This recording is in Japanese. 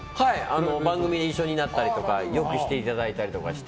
番組で一緒になったりしてよくしていただいたりして。